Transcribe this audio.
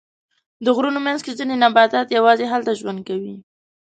د غرونو منځ کې ځینې نباتات یواځې هلته ژوند کوي.